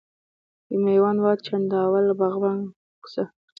میوند واټ، چنداول، باغبان کوچه،